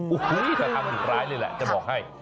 โอ้โฮแต่ทำอยู่ไกลเลยแหละจะบอกให้